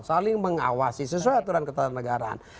saling mengawasi sesuai aturan ketatanegaraan